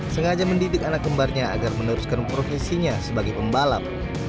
sengaja mendidik anak kembarnya agar meneruskan profesinya sebagai pembalap